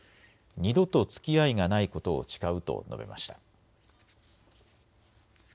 二度とつきあいがないことを誓うと述べました。